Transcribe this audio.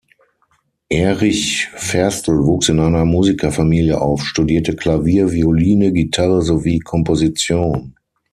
Erich Ferstl wuchs in einer Musikerfamilie auf, studierte Klavier, Violine, Gitarre sowie Komposition.